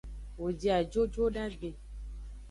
Wo ji ajo jodagbe.